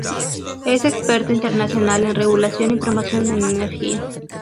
Es experto internacional en regulación y promoción en Energía.